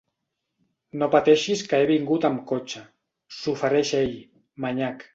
No pateixis que he vingut amb cotxe —s'ofereix ell, manyac.